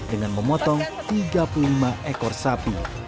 dengan memotong tiga puluh lima ekor sapi